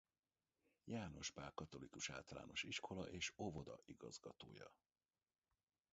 János Pál Katolikus Általános Iskola és Óvoda igazgatója.